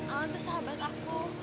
alan tuh sahabat aku